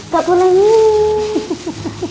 gak boleh nyiih